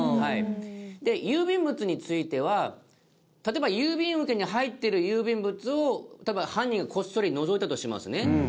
で郵便物については例えば郵便受けに入ってる郵便物を犯人がこっそりのぞいたとしますね。